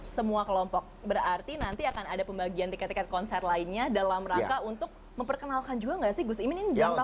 semua kelompok berarti nanti akan ada pembagian tiket tiket konser lainnya dalam rangka untuk memperkenalkan juga nggak sih gus imin ini menjangkau